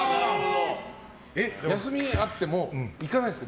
休みあっても行かないですか。